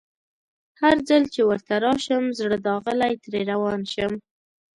هرځل چي ورته راشم زړه داغلی ترې روان شم